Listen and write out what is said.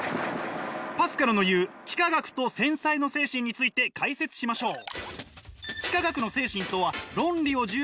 パスカルの言う幾何学と繊細の精神について解説しましょう！